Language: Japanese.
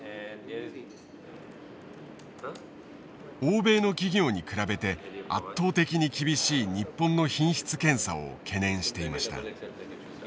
欧米の企業に比べて圧倒的に厳しい日本の品質検査を懸念していました。